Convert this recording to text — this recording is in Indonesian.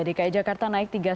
dki jakarta naik tiga